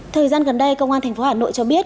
thời gian gần đây công an tp hà nội cho biết